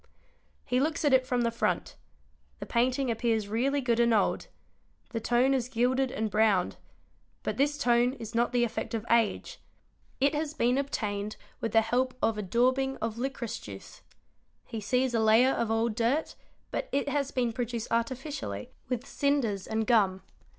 He looks at it from the front: the painting appears really good and old; the tone is gilded and browned ; but this tone is not the effect of age; it has been obtained with the help of a daubing of licorice juice; he sees a layer of old dirt, but it has been produced artificially with cinders and . gum.